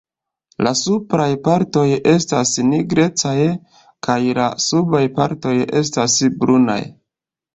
La supraj partoj estas nigrecaj kaj la subaj partoj estas brunaj.